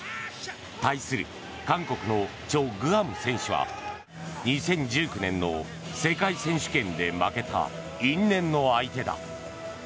対する韓国のチョ・グハム選手は２０１９年の世界選手権で負けた因縁の相手だ。